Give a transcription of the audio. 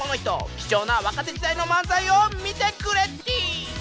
貴重な若手時代の漫才を見てくれティ。